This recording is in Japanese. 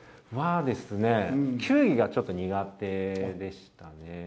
はですね、球技がちょっと苦手でしたね。